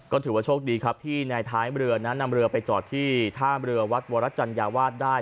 ก็ถือว่าโชคดีครับที่ในท้ายเรือนั้นนำเรือไปจอดที่ท่ามเรือวัดวรจัญญาวาสได้